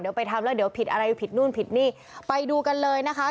เดี๋ยวไปทำแล้วเดี๋ยวผิดอะไรผิดนู่นผิดนี่ไปดูกันเลยนะคะ